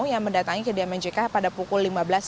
yang mendatangi ke dmjk pada pukul lima belas